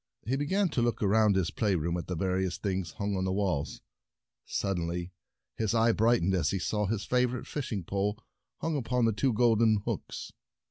He began to look around his play room, at the various things hung on the walls. Suddenly his eye brightened as he saw his favor ite fishing pole hung upon two golden hooks.